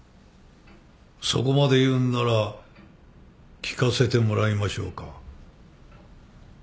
そこまで言うんなら聞かせてもらいましょうか。